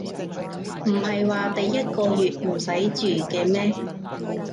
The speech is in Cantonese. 唔係話第一個月唔使住嘅咩